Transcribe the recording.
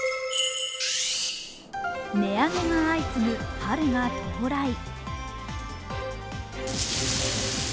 値上げが相次ぐ春が到来。